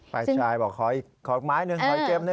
ฝ่ายชายบอกขออีกไม้หนึ่งขออีกเกมหนึ่ง